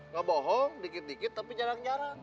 ngebohong sedikit sedikit tapi jarang jarang